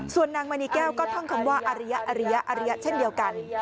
ส่วนนางแม่มณีแก้วก็ท่องคำว่าอาริยะอาริยะอาริยะเช่นเดียวกัน